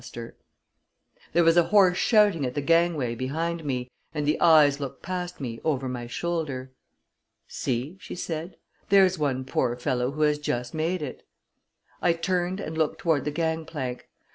There was a hoarse shouting at the gang way behind me, and the eyes looked past me, over my shoulder. "See," she said; "there's one poor fellow who has just made it." I turned and looked toward the gang plank.